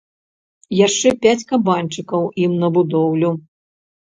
Яшчэ пяць кабанчыкаў ім на будоўлю.